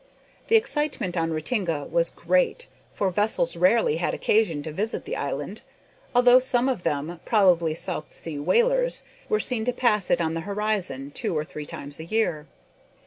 The excitement on Ratinga was great, for vessels rarely had occasion to visit the island, although some of them, probably South Sea whalers, were seen to pass it on the horizon two or three times a year.